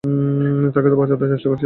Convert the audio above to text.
তাকে তো বাঁচাতে চেষ্টা করেছিলাম।